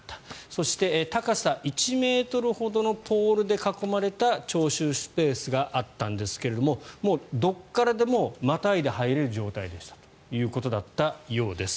そして、高さ１ｍほどのポールで囲まれた聴衆スペースがあったんですけれどももうどこからでもまたいで入れる状態でしたということだったようです。